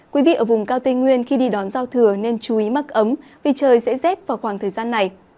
quý vị ở vùng cao tây nguyên khi đi đón giao thừa nên chú ý mắc ấm vì trời sẽ rét vào khoảng thời gian này